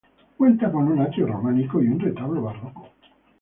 Cuenta con un atrio románico y un retablo barroco.